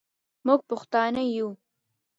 موږ پښتانه یو